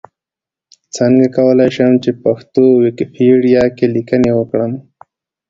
څنګه کولای شم چې پښتو ويکيپېډيا کې ليکنې وکړم؟